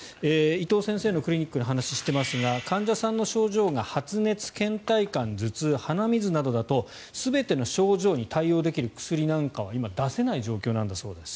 伊藤先生のクリニックの話をしていますが患者さんの症状が発熱、けん怠感、頭痛鼻水などだと全ての症状に対応できる薬なんかは今、出せない状況だそうです。